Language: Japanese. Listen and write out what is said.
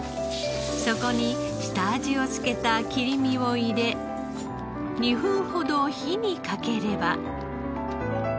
そこに下味をつけた切り身を入れ２分ほど火にかければ。